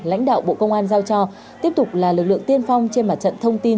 lãnh đạo bộ công an giao cho tiếp tục là lực lượng tiên phong trên mặt trận thông tin